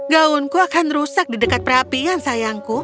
gaunku akan rusak di dekat perapian sayangku